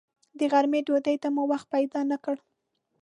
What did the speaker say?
د غرمې ډوډۍ ته مو وخت پیدا نه کړ.